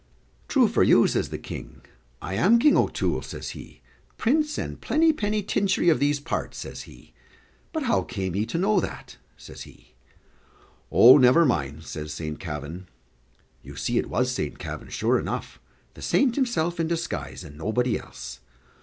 "True for you," says the King. "I am King O'Toole," says he, "prince and plennypennytinchery of these parts," says he; "but how came ye to know that?" says he. "Oh, never mind," says Saint Kavin. You see it was Saint Kavin, sure enough the saint himself in disguise, and nobody else.